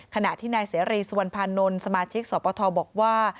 ขณะที่นายเสรีสุวรรณภานนท์สมาชิกสปทบอกว่า